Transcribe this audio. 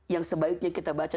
yang sebaiknya kita baca